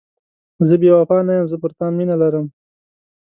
زه بې وفا نه یم، زه پر تا مینه لرم.